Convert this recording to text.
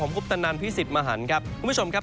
คุปตนันพี่สิทธิ์มหันครับคุณผู้ชมครับ